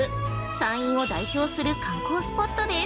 山陰を代表する観光スポットです。